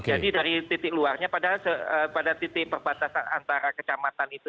jadi dari titik luarnya padahal pada titik perbatasan antara kecamatan itu